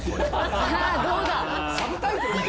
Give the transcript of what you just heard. さあどうだ？